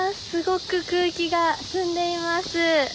すごく空気が澄んでいます。